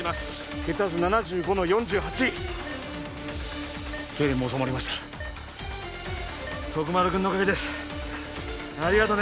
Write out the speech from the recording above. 血圧７５の４８ふうけいれんも治まりました徳丸君のおかげですありがとね